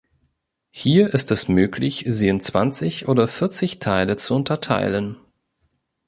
Hier ist es möglich, sie in zwanzig oder vierzig Teile zu unterteilen.